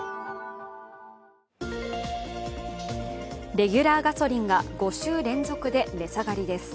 レギュラーガソリンが５週連続で値下がりです。